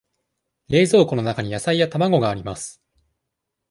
冷蔵庫の中に野菜や卵があります。